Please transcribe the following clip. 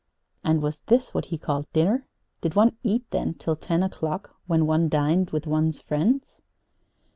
And was this what he called dinner? Did one eat, then, till ten o'clock, when one dined with one's friends?